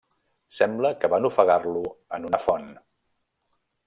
Sembla que van ofegar-lo en una font.